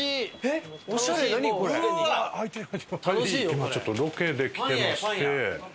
今ちょっとロケで来てまして。